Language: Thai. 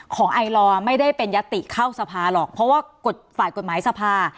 ไอลอร์ไม่ได้เป็นยติเข้าสภาหรอกเพราะว่ากฎฝ่ายกฎหมายสภา